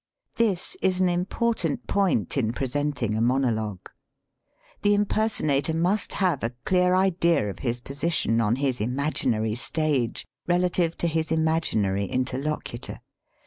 This is an important point in presenting a monologue. /The impersonator must have a clear idea of * his position on his imaginary stage relative to his imaginary interlocutor.